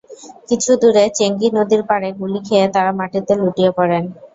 কিছু দূরে চেঙ্গী নদীর পাড়ে গুলি খেয়ে তাঁরা মাটিতে লুটিয়ে পড়েন।